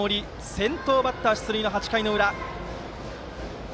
先頭バッター出塁の８回の裏。